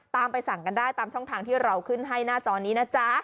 ตามไปสั่งกันได้ปฏิบัติจิดดันช่วงทางที่เราขึ้นให้หน้าจอนี้นะจ๊ะ